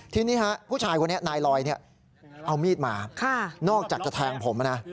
ทีนี้ผู้ชายคนนี้นายลอยเอามีดมานอกจากจะแทงผมนะ